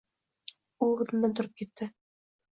U o‘rnidan turib ketdi.